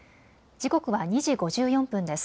時刻は２時５４分です。